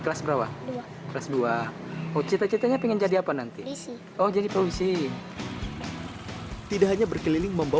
aibda abdul ghafur alhas juga membawa sejumlah buku yang telah disimpan di dalam box motornya